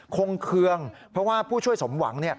เคืองเพราะว่าผู้ช่วยสมหวัง